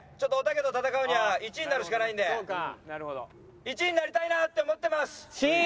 おたけと戦うには１位になるしかないんで１位になりたいなって思ってます。